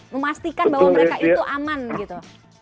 memastikan bahwa mereka itu aman gitu